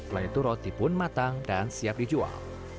setelah itu roti pun matang dan siap dijual